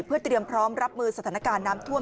เพื่อเตรียมพร้อมรับมือสถานการณ์น้ำท่วม